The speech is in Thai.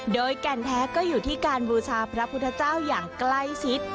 โดยแก่นแท้ก็อยู่ที่การบูชาพระพุทธเจ้าอย่างใกล้ชิด